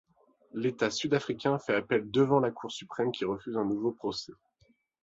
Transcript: L'État sud-africain fait appel devant la Cour suprême qui refuse un nouveau procès.